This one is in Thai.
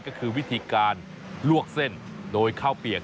ก็คือวิธีการลวกเส้นโดยข้าวเปียก